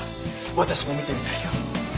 私も見てみたいよ。